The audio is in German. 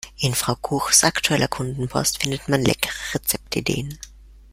In Frau Kuchs aktueller Kundenpost findet man leckere Rezeptideen.